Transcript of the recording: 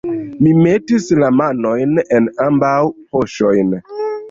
Mi metis la manojn en ambaŭ poŝojn.